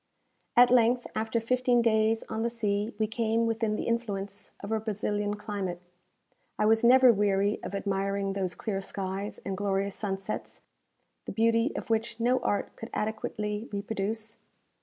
At length, after fifteen days on the sea, we came within the influence of a Brazilian climate. I was never weary of admiring those clear skies and glorious sunsets the beauty of which no art could adequately reproduce.